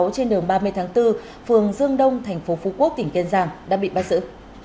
trên đường ba mươi tháng bốn phường dương đông tp phú quốc tỉnh kênh giàng đã bị bắt giữ